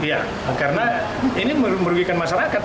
iya karena ini merugikan masyarakat